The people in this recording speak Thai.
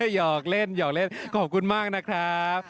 หยอกเล่นขอบคุณมากนะครับ